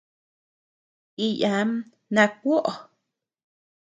Íyaam na kuoʼo.